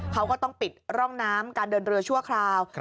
เขาก็ต้องปิดร่องน้ำการเดินเรือชั่วคราว